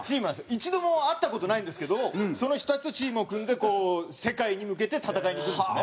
一度も会った事ないんですけどその人たちとチームを組んでこう世界に向けて戦いに行くんですね。